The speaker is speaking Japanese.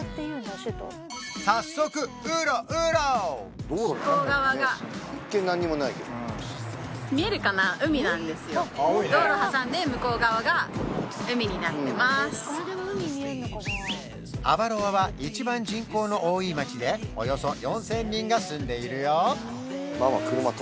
早速ウロウロアバルアは一番人口の多い街でおよそ４０００人が住んでいるよ